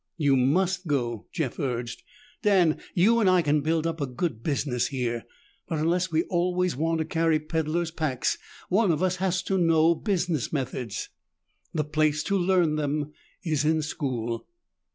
"You must go," Jeff urged. "Dan, you and I can build up a good business here, but unless we always want to carry peddlers' packs, one of us has to know business methods. The place to learn them is in school."